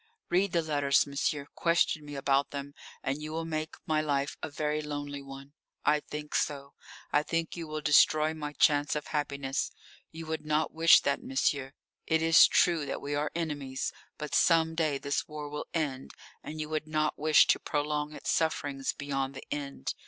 Read the letters, monsieur, question me about them, and you will make my life a very lonely one. I think so. I think you will destroy my chance of happiness. You would not wish that, monsieur. It is true that we are enemies, but some day this war will end, and you would not wish to prolong its sufferings beyond the end.